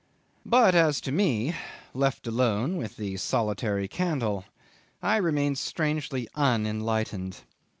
'But as to me, left alone with the solitary candle, I remained strangely unenlightened.